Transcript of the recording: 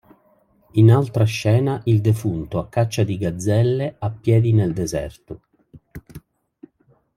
In altra scena il defunto a caccia di gazzelle, a piedi, nel deserto.